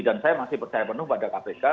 dan saya masih percaya penuh pada kpk